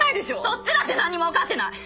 そっちだって何にも分かってない！